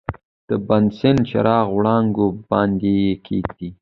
د بنسن چراغ وړانګو باندې یې کیږدئ.